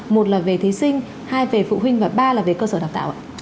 một là về thí sinh hai về phụ huynh và ba là về cơ sở đào tạo ạ